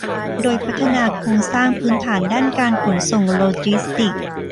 โดยพัฒนาโครงสร้างพื้นฐานด้านการขนส่งโลจิสติกส์